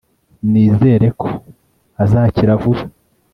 nizere ko azakira vuba